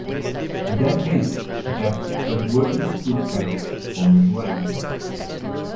That is, "F" converges to "F" pointwise.